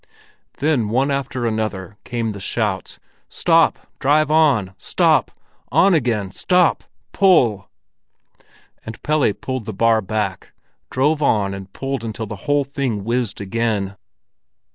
Then one after another came the shouts: "Stop! Drive on! Stop! On again! Stop! Pull!" And Pelle pulled the bar back, drove on and pulled until the whole thing whizzed again.